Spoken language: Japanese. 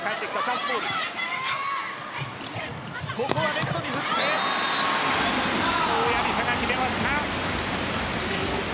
レフトに打って井上愛里沙が決めました。